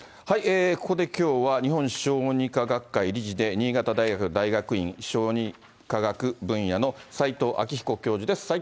ここできょうは、日本小児科学会理事で新潟大学大学院小児科学分野の齋藤昭彦教授です。